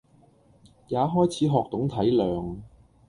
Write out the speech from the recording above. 也開始學懂體諒